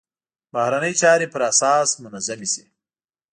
بهرنۍ چارې پر اساس منظمې شي.